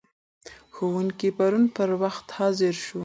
ښوونکی پرون پر وخت حاضر شو.